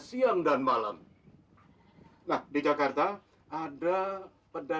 siang dan malam nah di jakarta ada pedagang gudeg kaki lima bisa menyekolahkan anaknya sampai ke amerika